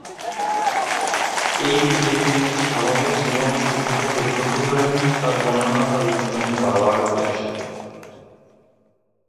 এই দ্বীপে তিনি যে স্বাভাবিক জীবন ও সভ্যতা প্রত্যক্ষ করেন, তার বর্ণনা তার উপন্যাসে বার বার ফিরে আসে।